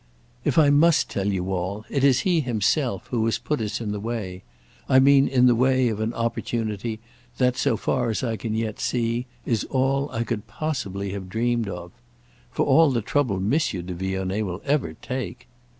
"If I must tell you all, it is he himself who has put us in the way. I mean in the way of an opportunity that, so far as I can yet see, is all I could possibly have dreamed of. For all the trouble Monsieur de Vionnet will ever take!"